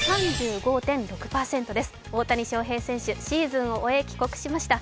大谷翔平選手、シーズンを終え帰国しました。